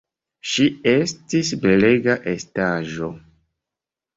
Ŝi estis belega estaĵo.